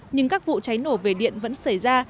nhưng các vụ cháy nổ về điện vẫn xảy ra